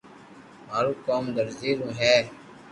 مارو ڪوم درزي رو ھي